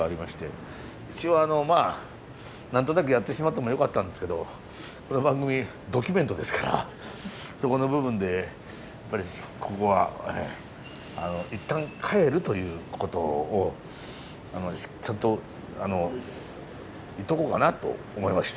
一応あのまあ何となくやってしまってもよかったんですけどこの番組ドキュメントですからそこの部分でやっぱりここは一旦帰るということをちゃんと言っとこうかなと思いまして。